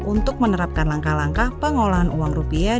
untuk menerapkan langkah langkah pengolahan uang rupiah